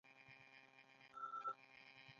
د نجونو تعلیم د ښځو خپلواکۍ رامنځته کولو لاره ده.